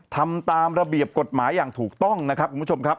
ทำตามระเบียบกฎหมายอย่างถูกต้องนะครับคุณผู้ชมครับ